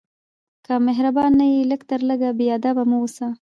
که مهربان نه یې، لږ تر لږه بېادبه مه اوسه.